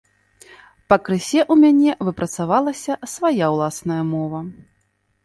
Пакрысе ў мяне выпрацавалася свая ўласная мова.